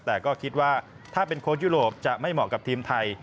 แต่ก็คิดว่าถ้าเป็นโค้ชยุโรปจะไม่เหมาะกับทีมไทย